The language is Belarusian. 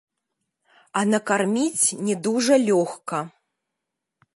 А накарміць не дужа лёгка.